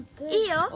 いいよ。